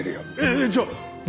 えっじゃあ何？